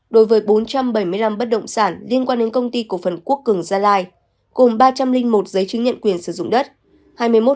đối với bốn trăm bảy mươi năm bất động sản liên quan đến công ty cổ phần quốc cường gia lai cùng ba trăm linh một giấy chứng nhận quyền sử dụng đất